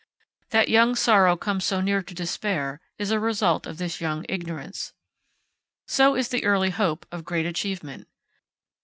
That young sorrow comes so near to despair is a result of this young ignorance. So is the early hope of great achievement.